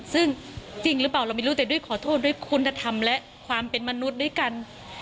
ซึ่งจริงหรือเปล่าเราไม่รู้แต่ด้วยขอโทษด้วยคุณธรรมและความเป็นมนุษย์ด้วยกัน